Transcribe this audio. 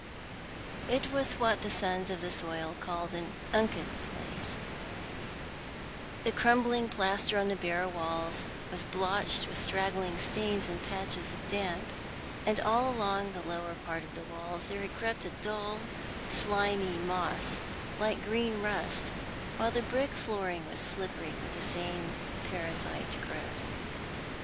It was what the sons of the soil called an " unkcd " place. The Encompassed with'' Darkness. 127 crumbling plaster on the bare walls ^vas blotched with straggling stains and patches of damp, and all along the lower part of the' walls there had crept a dull, slimy moss, like green nist, while the brick flooring was slippery with the same parasite growth.